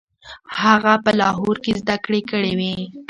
هغه په لاهور کې زده کړې کړې وې.